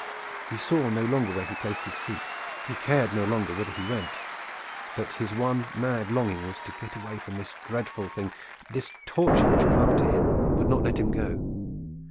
He saw no longer where he placed his feet, he cared no longer whither he went, but his one mad longing was to get away from this dreadful thing, this torture which clung to him and would not let him go.